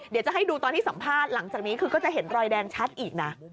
เดี๋ยวจะให้ดูตอนที่สัมภาษณ์หลังจากนี้คือก็จะเห็นรอยแดงชัดอีกนะ